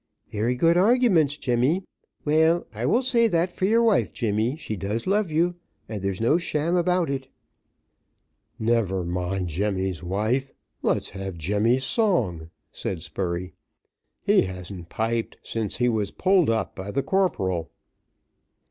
"Very good arguments, Jemmy. Well, I will say that for your wife, Jemmy, she does love you, and there's no sham about it." "Never mind Jemmy's wife, let's have Jemmy's song," said Spurey; "he hasn't piped since he was pulled up by the corporal."